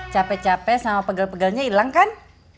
capek capek sama pegel pegelnya ilang kan